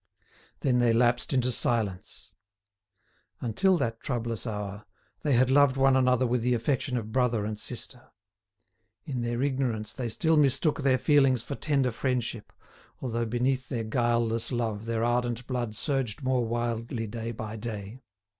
Then they lapsed into silence. Until that troublous hour, they had loved one another with the affection of brother and sister. In their ignorance they still mistook their feelings for tender friendship, although beneath their guileless love their ardent blood surged more wildly day by day.